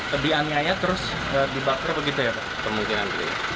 kebrianiaya terus dibakar begitu ya kemungkinan